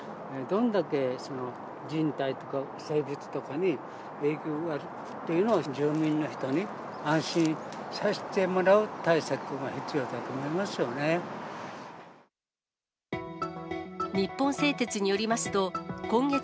どんだけ人体とか、生物とかに影響があるのか、住民の人に安心させてもらう対策が必要だと思いますよね。